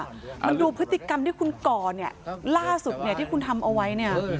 มันดูพฤติกรรมที่คุณก่อเนี่ยล่าสุดเนี่ยที่คุณทำเอาไว้เนี่ย